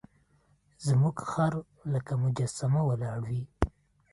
زموږ خر لکه مجسمه ولاړ وي.